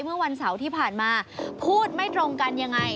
เมื่อวันเสาร์ที่ผ่านมาพูดไม่ตรงกันยังไง